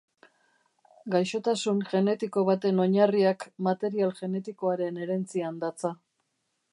Gaixotasun genetiko baten oinarriak material genetikoaren herentzian datza.